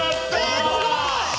えすごい！